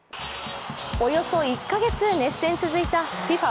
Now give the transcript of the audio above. およそ１か月熱戦続いたＦＩＦＡ